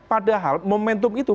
padahal momentum itu